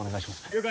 了解